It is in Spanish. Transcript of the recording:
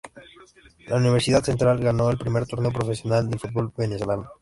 La Universidad Central ganó el primer torneo profesional del fútbol venezolano.